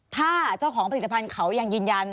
ถ้าเจ้าของผลิตภัณฑ์เขายังยืนยัน